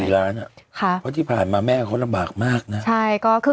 อ่ะค่ะเพราะที่ผ่านมาแม่เขาลำบากมากนะใช่ก็คือ